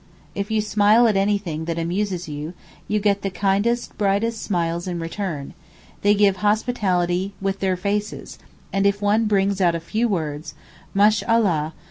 If you smile at anything that amuses you, you get the kindest, brightest smiles in return; they give hospitality with their faces, and if one brings out a few words, 'Mashallah!